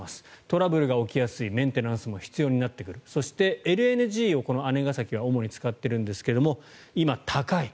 トラブルが起きやすいメンテナンスも必要になってくるそしてＬＮＧをこの姉崎は主に使っているんですが今、高い。